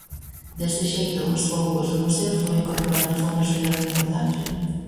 Deste xeito, aos poucos, o Museo foi incorporando fondos de grande importancia.